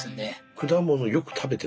果物よく食べてた？